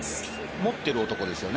持ってる男ですよね。